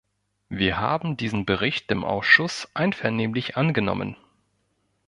Wir haben diesen Bericht im Ausschuss einvernehmlich angenommen.